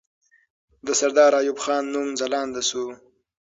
د سردار ایوب خان نوم ځلانده سو.